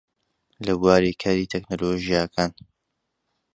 لە بواری کاری تەکنۆلۆژیاکان